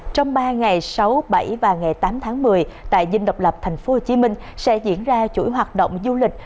trong ba ngày sáu bảy và ngày tám tháng một mươi tại dinh độc lập tp hcm sẽ diễn ra chuỗi hoạt động du lịch